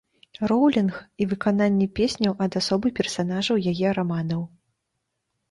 Роўлінг і выкананне песняў ад асобы персанажаў яе раманаў.